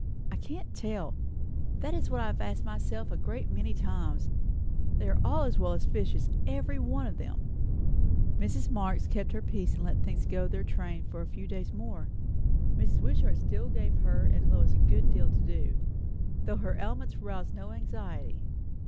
"I can't tell. That is what I have asked myself a great many times. They are all as well as fishes, every one of them." Mrs. Marx held her peace and let things go their train for a few days more. Mrs. Wishart still gave her and Lois a good deal to do, though her ailments aroused no anxiety.